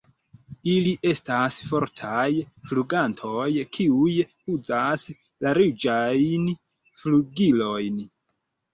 Ili estas fortaj flugantoj kiuj uzas larĝajn flugilojn.